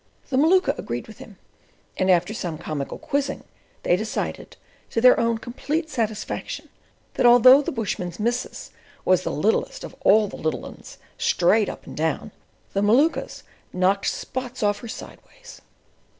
The Maluka agreed with him, and after some comical quizzing, they decided, to their own complete satisfaction, that although the bushman's "missus" was the "littlest of all little 'uns, straight up and down," the Maluka's "knocked spots off her sideways."